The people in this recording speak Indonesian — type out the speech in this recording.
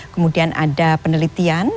kemudian ada penelitian